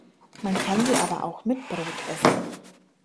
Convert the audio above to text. Man kann sie aber auch mit Brot essen.